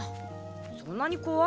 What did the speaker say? そんなに怖いか？